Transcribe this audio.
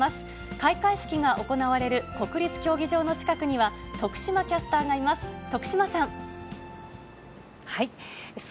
開会式が行われる国立競技場の近くには、徳島キャスターがいます。